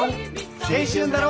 青春だろ！